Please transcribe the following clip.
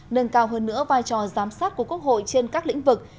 nâng cao hơn nữa vai trò giám sát của quốc hội trên các lĩnh vực